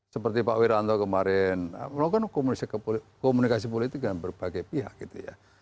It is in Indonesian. seperti pak wiranto kemarin melakukan komunikasi politik dengan berbagai pihak gitu ya